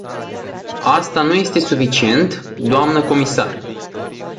Asta nu este suficient, doamnă comisar.